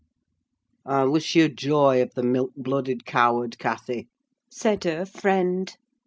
"I wish you joy of the milk blooded coward, Cathy!" said her friend.